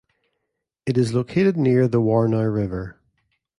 It is located near the Warnow River.